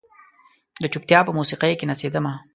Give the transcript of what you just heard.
د چوپتیا په موسیقۍ کې نڅیدمه